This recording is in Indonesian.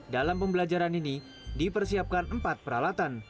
dalam pembelajaran ini dipersiapkan empat peralatan